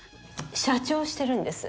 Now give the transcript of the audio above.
社長をしてるんです。